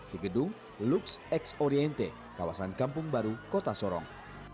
di gedung lux x oriente kawasan kampung baru kota sorong